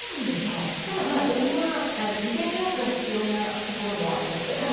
ただ事前予約が必要なところもあります。